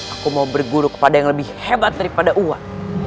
aku mau berguru kepada yang lebih hebat daripada uang